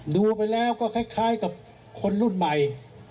ดูไปแล้วก็คล้ายกับคนรุ่นใหม่